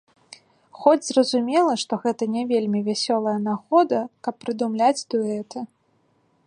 Хоць, зразумела, што гэта не вельмі вясёлая нагода, каб прыдумляць дуэты.